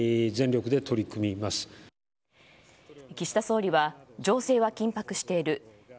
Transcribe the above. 岸田総理は情勢は緊迫している。